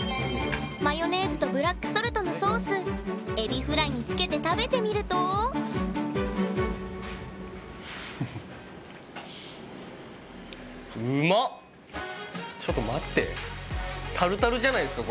マヨネーズとブラックソルトのソースエビフライにつけて食べてみると⁉そうなんですよ。